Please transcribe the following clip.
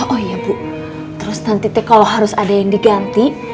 oh iya bu terus dan titik kalau harus ada yang diganti